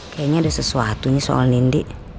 kayaknya ada sesuatunya soal nindi